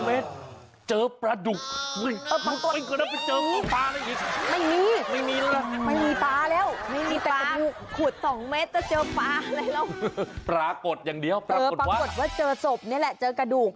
เออปรากฏว่าเจอศพนี่แหละเจอกระดูก